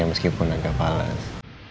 ya meskipun agak palas